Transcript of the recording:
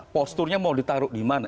posturnya mau ditaruh dimana